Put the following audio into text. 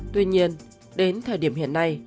tuy nhiên đến thời điểm hiện nay